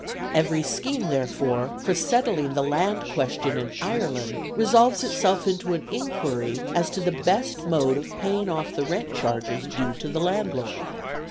Every scheme, therefore, for settling the Land question in Ireland resolves itself into an inquiry as to the best mode of paying off the rent charges due to the landlord.